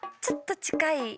ちょっと近い。